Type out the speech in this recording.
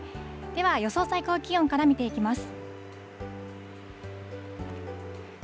では、予想最高気温から見ていきます。